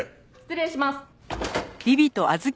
失礼します。